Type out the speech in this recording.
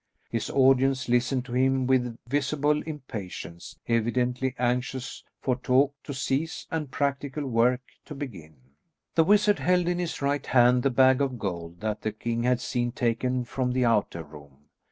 His audience listened to him with visible impatience, evidently anxious for talk to cease and practical work to begin. The wizard held in his right hand the bag of gold that the king had seen taken from the outer room.